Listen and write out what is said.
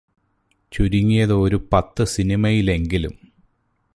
ചുരുങ്ങിയത് ഒരു പത്ത് സിനിമയിലെങ്കിലും